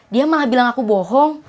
dia malah bilang aku bohong